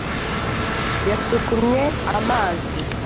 yasukumye amazi